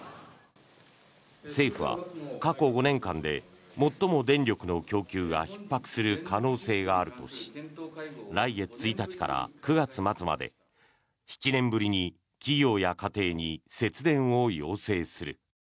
政府は過去５年間で最も電力の供給がひっ迫する可能性があるとし来月１日から９月末まで７年ぶりに企業や家庭に節電を要請する。